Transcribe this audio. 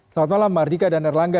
selamat malam mardika dan erlangga